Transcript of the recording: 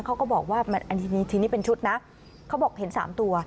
เขาก็บอกว่ามันอันทีนี้ทีนี้เป็นชุดนะเขาบอกเห็นสามตัว